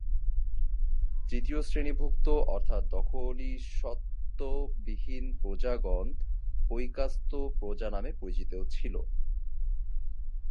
তৃতীয় শ্রেণিভুক্ত অর্থাৎ দখলিস্বত্ব বিহীন প্রজাগণ পইকাস্ত প্রজা নামে পরিচিত ছিল।